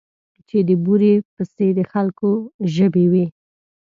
چې د بورې پسې د خلکو ژبې وې.